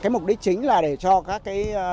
mục đích chính là để cho các